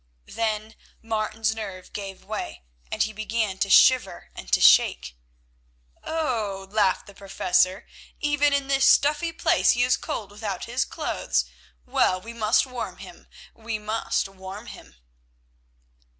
Then Martin's nerve gave way, and he began to shiver and to shake. "Oho!" laughed the Professor, "even in this stuffy place he is cold without his clothes; well we must warm him—we must warm him."